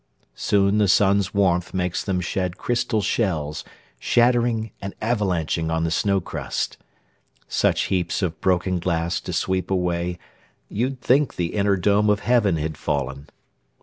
Soon the sun's warmth makes them shed crystal shells Shattering and avalanching on the snow crust Such heaps of broken glass to sweep away You'd think the inner dome of heaven had fallen.